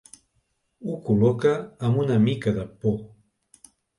Ho col·loca amb una mica de por.